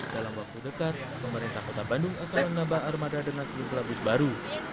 dalam waktu dekat pemerintah kota bandung akan menambah armada dengan seluruh bus baru